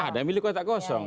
ada yang memilih kotak kosong